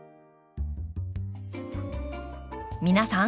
皆さん